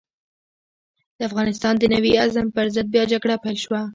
د افغانستان د نوي عزم پر ضد بيا جګړه پيل شوه.